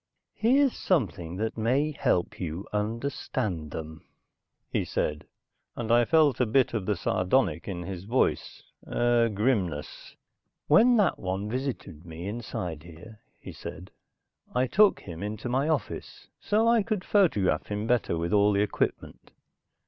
"Here's something that may help you understand them," he said, and I felt a bit of the sardonic in his voice, a grimness. "When that one visited me inside here," he said. "I took him into my office, so I could photograph him better with all the equipment.